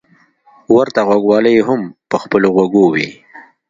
ورته غوږوالۍ يې هم په خپلو غوږو وې.